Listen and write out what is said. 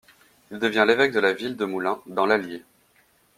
Il devient l'évêque de la ville de Moulins, dans l'allier.